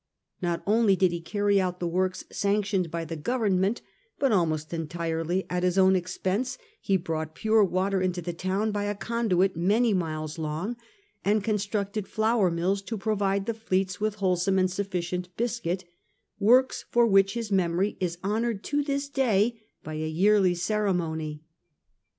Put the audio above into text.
Not only did he carry out the works sanctioned by the Government, but almost entirely at his own ex pense he brought pure water into the town by a conduit many miles long and constructed flour mills to provide the fleets with wholesome and sufficient biscuit, works for which his memory is honoured to this day by a yearly ceremony.